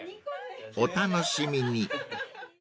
お楽しみに］